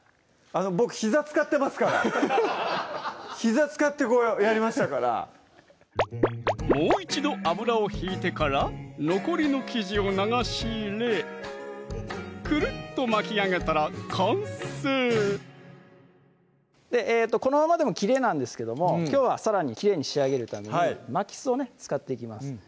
僕ひざ使ってますからひざ使ってやりましたからもう一度油を引いてから残りの生地を流し入れくるっと巻き上げたら完成このままでもきれいなんですけどもきょうはさらにきれいに仕上げるために巻きすをね使っていきます